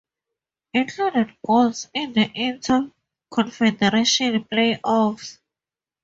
Included goals in the Inter-confederation play-offs.